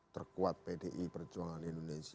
terkuat pdi perjuangan indonesia